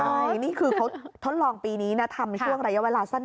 ใช่นี่คือเขาทดลองปีนี้นะทำช่วงระยะเวลาสั้น